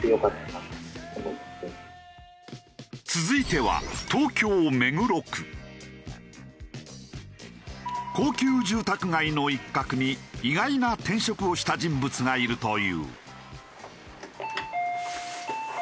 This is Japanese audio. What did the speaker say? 続いては高級住宅街の一角に意外な転職をした人物がいるという。